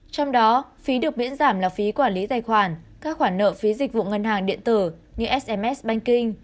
trong đó phí được miễn giảm là phí quản lý tài khoản các khoản nợ phí dịch vụ ngân hàng điện tử như sms banking